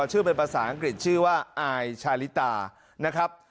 ชื่อเป็นภาษาอังกฤษชื่อว่าอายชาลิตานะครับ